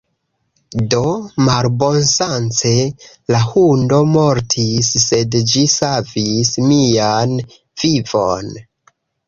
Do malbonŝance, la hundo mortis, sed ĝi savis mian vivon